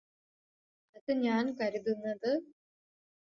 അത് ഞാന് കരുതുന്നത്